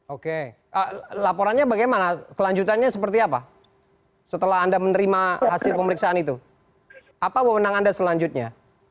oke laporannya bagaimana kelanjutannya seperti apa setelah anda menerima hasil pemeriksaan itu apa wewenang anda selanjutnya